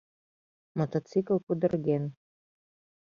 Мотоцикл пудырген